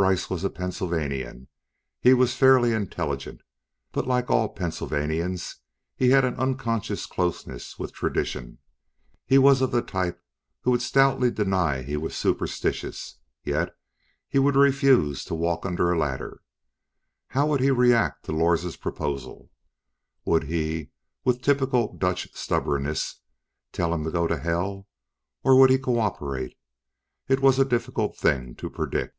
Brice was a Pennsylvanian; he was fairly intelligent, but like all Pennsylvanians he had an unconscious closeness with tradition. He was of the type who would stoutly deny he was superstitious, yet would refuse to walk under a ladder. How would he react to Lors' proposal? Would he, with typical Dutch stubbornness, tell him to go to hell, or would he co operate? It was a difficult thing to predict.